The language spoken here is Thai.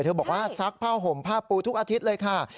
บอกว่าซักผ้าห่มผ้าปูทุกอาทิตย์เลยค่ะ